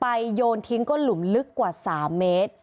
โยนทิ้งก็หลุมลึกกว่า๓เมตร